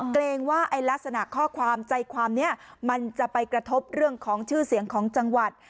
เกรงว่าไอ้ลักษณะข้อความใจความนี้มันจะไปกระทบเรื่องของชื่อเสียงของจังหวัด